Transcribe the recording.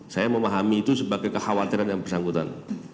saya memahami itu sebagai kekhawatiran yang bersangkutan